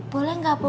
boleh gak bu